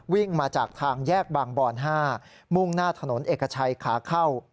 วิ่งมาจากทางแยกบางบอน๕มุ่งหน้าถนนเอกชัยขาเข้า